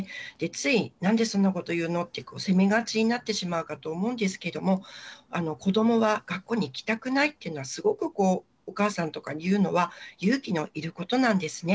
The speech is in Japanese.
つい、なんでそんなこと言うのって責めがちになってしまうかと思うんですけれども、子どもが学校に行きたくないと言うのは、すごくお母さんとかに言うのは、勇気のいることなんですね。